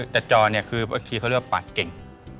แต่จาวเนี่ยอันทีเค้าเรียกว่าปากเก่ง